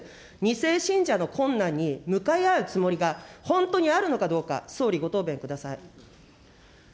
２世信者の困難に向かい合うつもりが本当にあるのかどうか、総理、ご答弁ください。